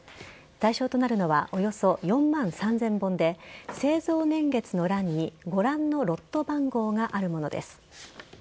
対象となるのはおよそ４万３０００本で製造年月の欄にご覧のロット番号があるものです。